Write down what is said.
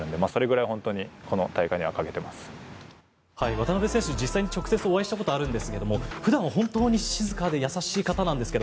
渡邊選手、実際に直接お会いしたことあるんですが普段は本当に静かで優しい方なんですが